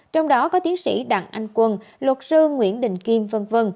trong đó có tiến sĩ đặng anh quân luật sư nguyễn đình kim v v